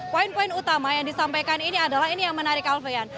poin poin utama yang disampaikan ini adalah ini yang menarik alfian